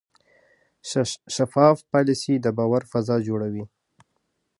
شفاف پالیسي د باور فضا جوړوي.